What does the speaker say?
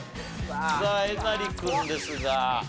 さあえなり君ですが。